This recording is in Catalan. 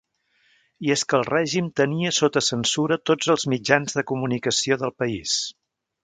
I és que el règim tenia sota censura tots els mitjans de comunicació del país.